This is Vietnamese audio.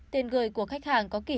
tiền gửi của khách hàng không được mở